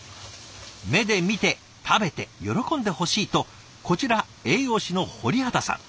目で見て食べて喜んでほしいとこちら栄養士の堀畑さん。